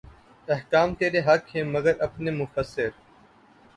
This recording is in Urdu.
احکام ترے حق ہیں مگر اپنے مفسر